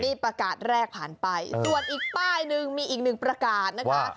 นี่ประกาศแรกผ่านไปส่วนอีกป้ายหนึ่งมีอีกหนึ่งประกาศนะคะ